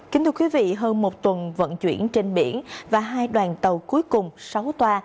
kính thưa quý vị hơn một tuần vận chuyển trên biển và hai đoàn tàu cuối cùng sáu toa